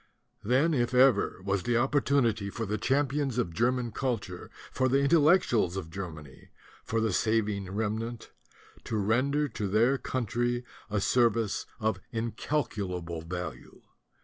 Then, if ever, was the opportunity for the champions of German cul ture, for the Intellectuals of Germany, for the saving remnant, to render to their country a service of incalculable value.